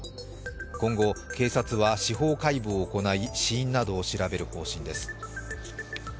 今後、警察は司法解剖を行い死因などを調べる方針です。